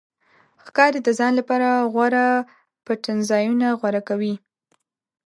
ښکاري د ځان لپاره غوره پټنځایونه غوره کوي.